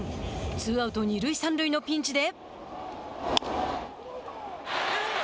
ツーアウト二塁三塁のピンチで。